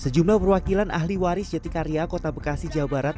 sejumlah perwakilan ahli waris jatikarya kota bekasi jawa barat